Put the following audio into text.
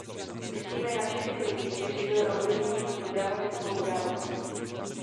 Myslíme na všechny lidi, kteří byli ovlivněni touto dramatickou událostí.